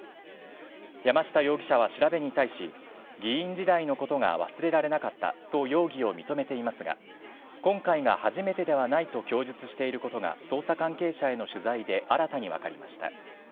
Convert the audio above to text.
山下容疑者は調べに対し、議員時代のことが忘れられなかったと容疑を認めていますが、今回が初めてではないと供述していることが、捜査関係者への取材で新たに分かりました。